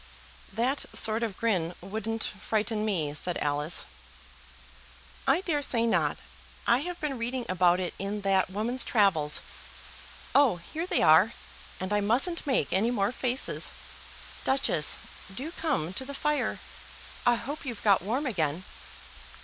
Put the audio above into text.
"That sort of grin wouldn't frighten me," said Alice. "I dare say not. I have been reading about it in that woman's travels. Oh, here they are, and I mustn't make any more faces. Duchess, do come to the fire. I hope you've got warm again.